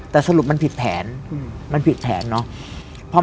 แต่สรุปมันผิดแผนมันผิดแผนเนาะ